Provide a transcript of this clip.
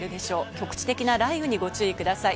局地的な雷雨にご注意ください。